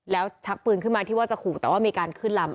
แล้วชักปืนขึ้นมาที่ว่าจะขู่แต่ว่ามีการขึ้นลำ